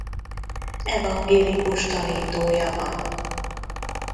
Evangélikus tanítója van.